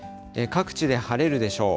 各地で晴れるでしょう。